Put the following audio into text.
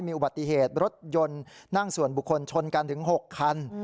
มีอุบัติเหตุรถยนต์นั่งส่วนบุคคลชนกันถึง๖คัน